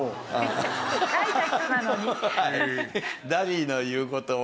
はい。